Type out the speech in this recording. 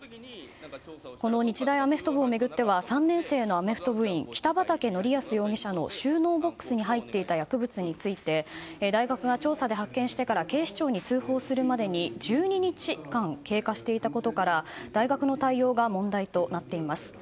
この日大アメフト部を巡って３年生のアメフト部員北畠成文容疑者の収納ボックスに入っていた薬物について大学が調査で発見してから警視庁に報告するまでに１２日間、経過していたことから大学の対応が問題となっています。